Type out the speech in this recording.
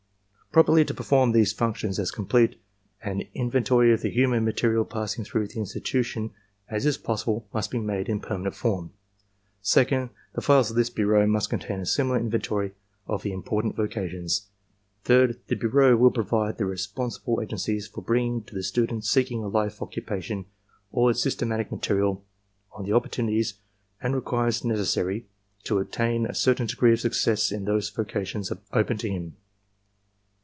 Properly to perform these functions as complete an in ventory of the human material passing through the institution as is possible must be made in permanent form. Second, the files of this bureau must contain a similar inventory of the impor tant vocations. Third, the bureau will provide the responsible agencies for bringing to the student seeking a life occupation 180 ARMY MfiNTAL TESTS all its systematic material on the opportunities and require ments necessary to attain a certain degree of success in those vocations open to him.